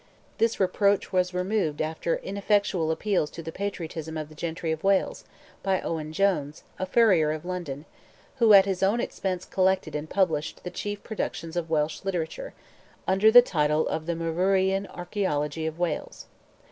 This reproach was removed after ineffectual appeals to the patriotism of the gentry of Wales, by Owen Jones, a furrier of London, who at his own expense collected and published the chief productions of Welsh literature, under the title of the Myvyrian Archaeology of Wales.